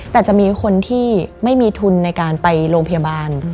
แต่จะมีคนที่ไม่มีทุนในการไปโรงพยาบาล